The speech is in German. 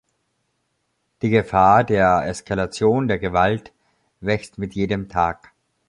Die Gefahr der Eskalation der Gewalt wächst mit jedem Tag.